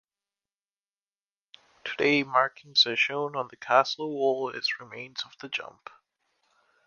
Today markings are shown on the castle wall as remains of the jump.